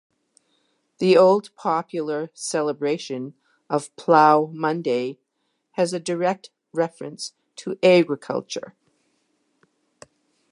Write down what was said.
The old popular celebration of Plough Monday has a direct reference to agriculture.